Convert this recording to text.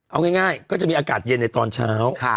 เอาง่ายก็จะมีอากาศเย็นในตอนเช้า